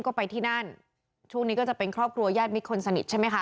ก็ไปที่นั่นช่วงนี้ก็จะเป็นครอบครัวญาติมิตรคนสนิทใช่ไหมคะ